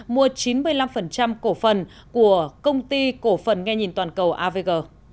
mua chín mươi năm cổ phần của công ty cổ phần nghe nhìn toàn cầu avg